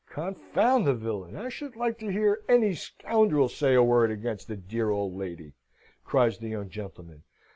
"Confound the villain! I should like to hear any scoundrel say a word against the dear old lady," cries the young gentleman.